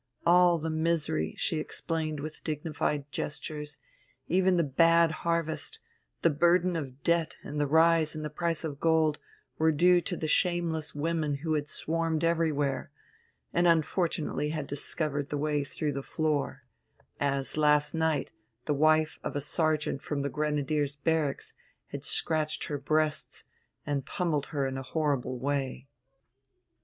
All the misery, she explained with dignified gestures, even the bad harvest, the burden of debt and the rise in the price of gold, were due to the shameless women who swarmed everywhere, and unfortunately had discovered the way through the floor, as last night the wife of a sergeant from the Grenadiers' Barracks had scratched her breasts and pommelled her in a horrible way.